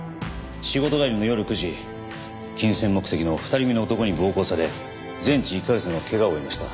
仕事帰りの夜９時金銭目的の２人組の男に暴行され全治１カ月の怪我を負いました。